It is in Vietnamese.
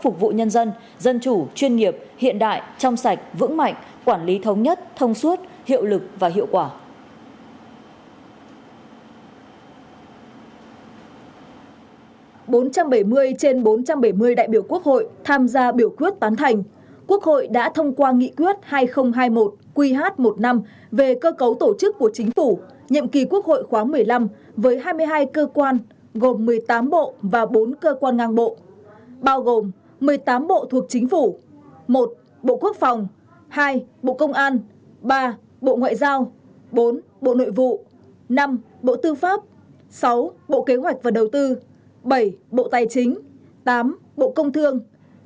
tham gia biểu quyết tán thành quốc hội đã thông qua nghị quyết hai nghìn hai mươi một qh một mươi năm về cơ cấu tổ chức của chính phủ nhiệm kỳ quốc hội khoáng một mươi năm với hai mươi hai cơ quan gồm một mươi tám bộ và bốn cơ quan ngang bộ bao gồm một mươi tám bộ thuộc chính phủ một bộ quốc phòng hai bộ công an ba bộ ngoại giao bốn bộ nội vụ năm bộ tư pháp sáu bộ kế hoạch và đầu tư bảy bộ tài chính tám bộ công thương